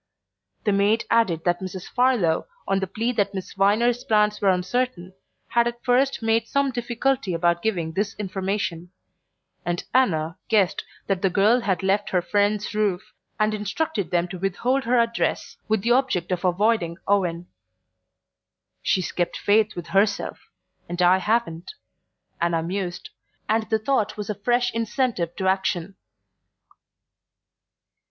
The maid added that Mrs. Farlow, on the plea that Miss Viner's plans were uncertain, had at first made some difficulty about giving this information; and Anna guessed that the girl had left her friends' roof, and instructed them to withhold her address, with the object of avoiding Owen. "She's kept faith with herself and I haven't," Anna mused; and the thought was a fresh incentive to action.